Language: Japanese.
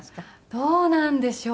どうなんでしょう。